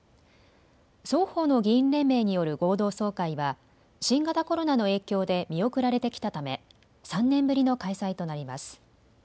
双方の議員連盟による合同総会は新型コロナの影響で見送られてきたため３年ぶりの開催となります。